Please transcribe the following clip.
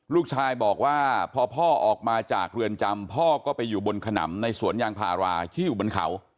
ลูกชายบอกว่าพอพ่อออกมาจากเรือนจำพ่อก็ไปอยู่บนขนำในสวนยางพาราที่อยู่บนเขา